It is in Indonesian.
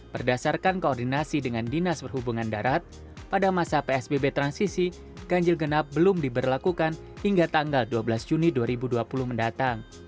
berdasarkan koordinasi dengan dinas perhubungan darat pada masa psbb transisi ganjil genap belum diberlakukan hingga tanggal dua belas juni dua ribu dua puluh mendatang